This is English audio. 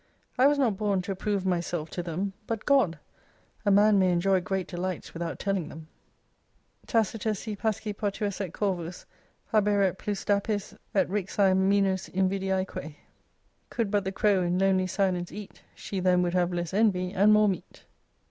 I was not born to approve myself ta them, but God. A man may enjoy great delights, without telling them. 247 Tacitus si pasci potuisset Corvus, haberet Plus dapis & rixae minus invidiaeque. Could but the crow in lonely silence eat, She then would have less envy and more meat.